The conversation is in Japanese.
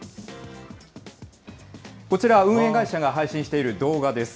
こちら、運営会社が配信している動画です。